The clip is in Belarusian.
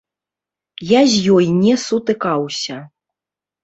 Я з ёй не сутыкаўся.